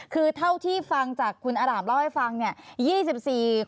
คือเท่าที่ฟังจากคุณอร่ามเล่าให้ฟัง